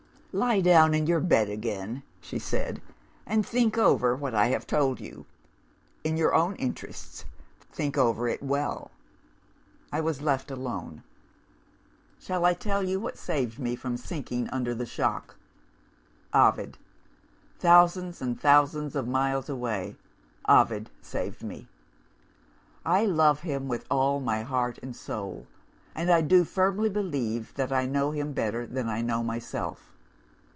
"'Lie down in your bed again,' she said, 'and think over what I have told you. In your own interests, think over it well.' "I was left alone. "Shall I tell you what saved me from sinking under the shock? Ovid thousands and thousands of miles away Ovid saved me. "I love him with all my heart and soul; and I do firmly believe that I know him better than I know myself.